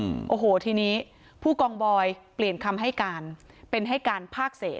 อืมโอ้โหทีนี้ผู้กองบอยเปลี่ยนคำให้การเป็นให้การภาคเศษ